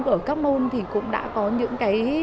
ở các môn thì cũng đã có những cái